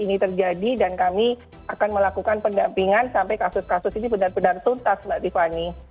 ini terjadi dan kami akan melakukan pendampingan sampai kasus kasus ini benar benar tuntas mbak tiffany